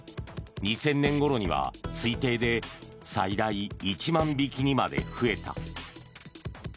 ２０００年ごろには推定で最大１万匹にまで増えた。